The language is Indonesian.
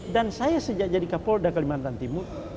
dan saya sejak jadi kapolda kelimantan timur